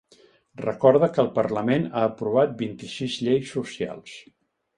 Recorda que el parlament ha aprovat vint-i-sis lleis socials.